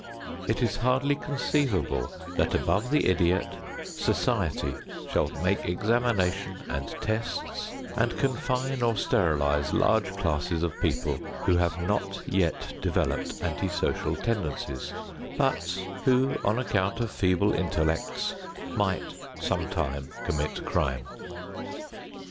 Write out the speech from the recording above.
It is hardly conceivable that above the idiot, society shall make examinations and tests and confine or sterilize large classes of people who have not yet developed anti social tendencies, but who on account of feeble intellects might sometime commit crime.